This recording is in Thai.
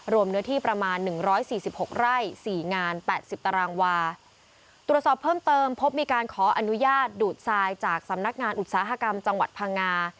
เนื้อที่ประมาณหนึ่งร้อยสี่สิบหกไร่สี่งานแปดสิบตารางวาตรวจสอบเพิ่มเติมพบมีการขออนุญาตดูดทรายจากสำนักงานอุตสาหกรรมจังหวัดพังงา